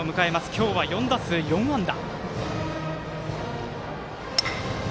今日は４打数４安打。